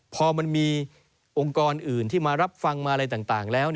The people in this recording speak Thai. พอมันมีองค์กรอื่นที่มารับฟังมาอะไรต่างแล้ว